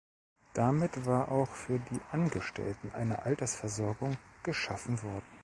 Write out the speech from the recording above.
Damit war auch für die Angestellten eine Altersversorgung geschaffen worden.